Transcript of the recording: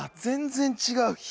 全然違う。